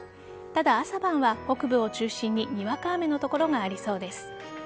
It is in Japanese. ただ、朝晩は北部を中心ににわか雨の所がありそうです。